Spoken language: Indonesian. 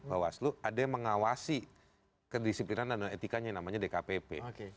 bawaslu ada yang mengawasi kedisiplinan dan etikanya yang namanya dkpp